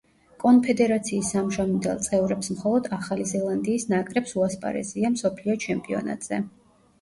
კონფედერაციის ამჟამინდელ წევრებს მხოლოდ ახალი ზელანდიის ნაკრებს უასპარეზია მსოფლიო ჩემპიონატზე.